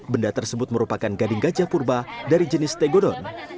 benda tersebut merupakan gading gajah purba dari jenis tegodon